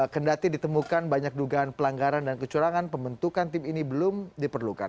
kendati ditemukan banyak dugaan pelanggaran dan kecurangan pembentukan tim ini belum diperlukan